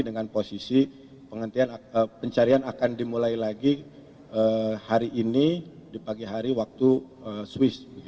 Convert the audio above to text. dengan posisi pencarian akan dimulai lagi hari ini di pagi hari waktu swiss